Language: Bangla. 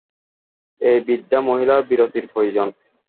এই বৃদ্ধা মহিলার বিরতির প্রয়োজন।